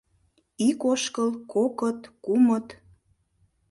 Ик ошкыл, кокыт, кумыт...